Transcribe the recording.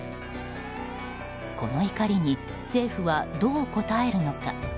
この怒りに政府はどう応えるのか。